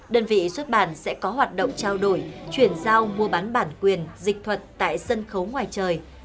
đơn vị xuất bản sẽ có hoạt động trao đổi chuyển giao mua bán bản quyền dịch thuật tại sân khấu ngoài trời